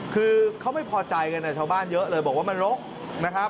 คือเขาไม่พอใจกันชาวบ้านเยอะเลยบอกว่ามันลกนะครับ